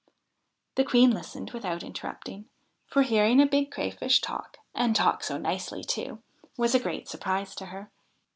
The Queen listened without interrupting, for hearing a big Crayfish talk and talk so nicely too was a great surprise to her.